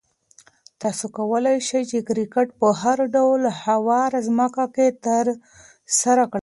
تاسو کولای شئ چې کرکټ په هر ډول هواره ځمکه کې ترسره کړئ.